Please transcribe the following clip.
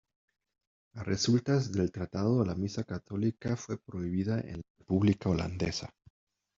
A resultas del tratado la misa católica fue prohibida en la República holandesa.